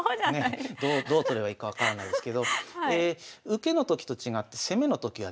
どう取ればいいか分からないですけど受けのときと違って攻めのときはですね